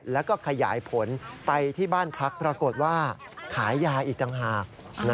แล้วก็ขยายผลไปที่บ้านพักปรากฏว่าขายยาอีกต่างหาก